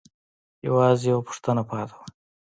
يوازې يوه پوښتنه پاتې وه.